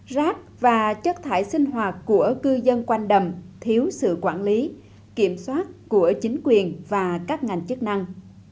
rác và chất thải sinh hoạt của cư dân quanh đầm thiếu sự quản lý kiểm soát của chính quyền và các ngành chức năng